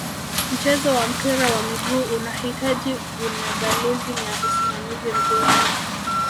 mchezo wa mpira wa miguu unahitaji unagalizi na usimamizi mzuri